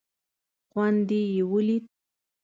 خوند دې یې ولید.